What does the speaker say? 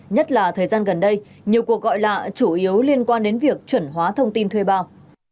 nhất là thời gian gần đây nhiều cuộc gọi lạ chủ yếu liên quan đến việc chuẩn hóa thông tin thuê bao